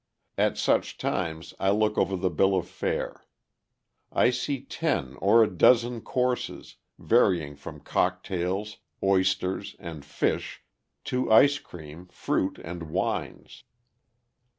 At such times I look over the bill of fare. I see ten or a dozen courses, varying from cocktails, oysters, and fish to ice cream, fruit, and wines.